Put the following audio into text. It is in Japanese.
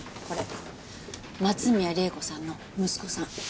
これ松宮玲子さんの息子さん。